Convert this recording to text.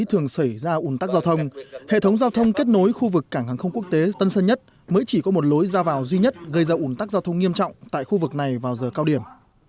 thường xảy ra ủn tắc giao thông hệ thống giao thông kết nối khu vực cảng hàng không quốc tế tân sơn nhất mới chỉ có một lối ra vào duy nhất gây ra ủn tắc giao thông nghiêm trọng tại khu vực này vào giờ cao điểm